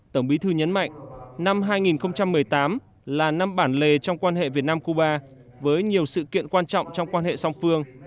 tổng bí thư nhấn mạnh năm hai nghìn một mươi tám là năm bản lề trong quan hệ việt nam cuba với nhiều sự kiện quan trọng trong quan hệ song phương